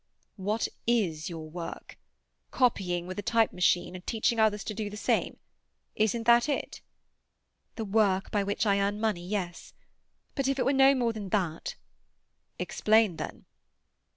"What is your work? Copying with a type machine, and teaching others to do the same—isn't that it?" "The work by which I earn money, yes. But if it were no more than that—" "Explain, then."